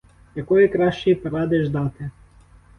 Якої кращої поради ждати?